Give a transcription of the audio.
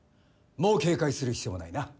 もう警戒する必要はないな。